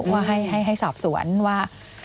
ว่าให้สอบสวนว่า